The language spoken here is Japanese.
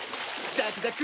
ザクザク！